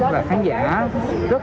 và tinh tế đau thuyện